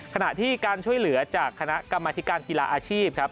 ขณะที่การช่วยเหลือจากคณะกรรมธิการกีฬาอาชีพครับ